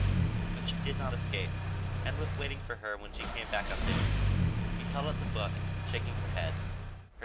But she did not escape. Ann was waiting for her when she came back up stairs. She held out the book, shaking her head.